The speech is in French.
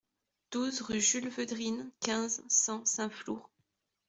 douze rue Jules Vedrines, quinze, cent, Saint-Flour